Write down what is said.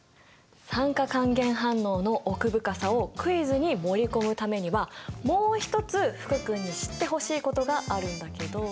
酸化還元反応の奥深さをクイズに盛り込むためにはもう一つ福君に知ってほしいことがあるんだけど。